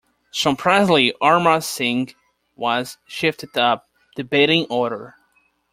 Surprisingly, Amar Singh was shifted up the batting order.